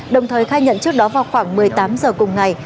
đồng thời khai nhận trước đó vào khoảng một mươi tám giờ cùng ngày